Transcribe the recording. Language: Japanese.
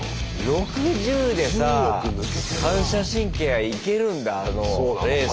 ６０でさ反射神経がいけるんだレースの。